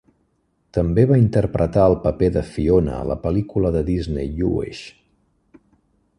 També va interpretar el paper de Fiona a la pel·lícula de Disney "You Wish!".